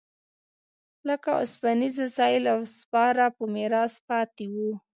لکه اوسپنیز وسایل او سپاره په میراث پاتې و